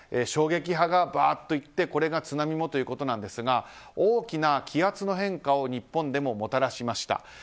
衝撃波がばーっといって、これが津波もということなんですが大きな気圧の変化を日本でももたらしました。